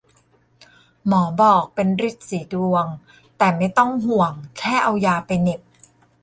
หมอบอกเป็นรีดสีดวง แต่ไม่ต้องห่วง แค่เอายาไปเหน็บ